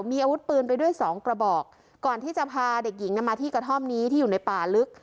มีอาวุธปืนไปด้วยสองกระบอกก่อนที่จะพาเด็กหญิงมาที่กระท่อมนี้ที่อยู่ในป่าลึก